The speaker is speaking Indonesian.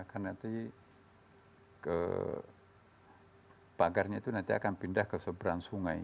karena nanti ke pagarnya itu nanti akan pindah ke seberang sungai